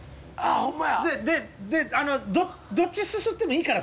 でどっちすすってもいいから。